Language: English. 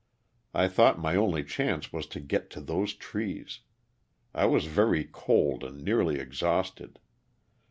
I thought my only chance was to get to those trees. I was very cold and nearly exhausted.